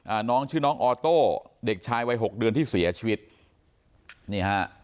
น้องชื่อน้องออโต้เด็กชายวัยหกเดือนที่เสียชีวิตนี่ฮะ